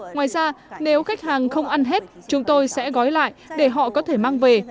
ngoài ra nếu khách hàng không ăn hết chúng tôi sẽ gói lại để họ có thể mang về